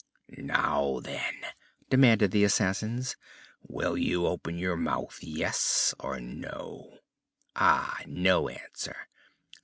"Now, then," demanded the assassins, "will you open your mouth yes or no? Ah! no answer?